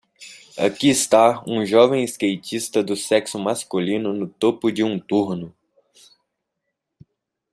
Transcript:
Aqui está um jovem skatista do sexo masculino no topo de um turno